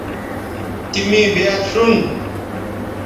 تی می بیاد شون